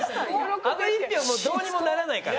あの１票もうどうにもならないから。